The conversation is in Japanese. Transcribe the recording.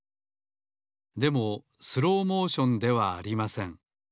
でもスローモーションではありません。